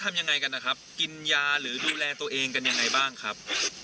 ทำยังไงกันนะครับกินยาหรือดูแลตัวเองกันยังไงบ้างครับ